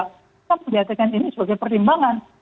kita perhatikan ini sebagai perhimbangan